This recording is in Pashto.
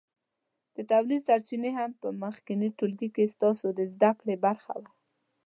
د تولید سرچینې هم په مخکېني ټولګي کې ستاسو د زده کړې برخه وه.